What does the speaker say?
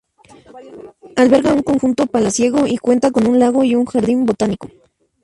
Alberga un conjunto palaciego y cuenta con un lago y un jardín botánico.